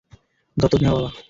দত্তক নেওয়া বাবা।